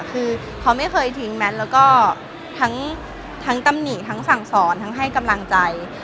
คือเขาไม่เคยทิ้งแมทแล้วก็ทั้งตำหนิทั้งสั่งสอนทั้งให้กำลังใจ